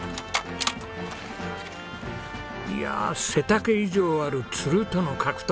いや背丈以上あるつるとの格闘。